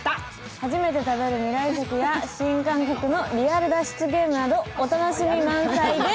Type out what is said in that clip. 初めて食べる未来食や新感覚のリアル脱出ゲームなどお楽しみ満載です。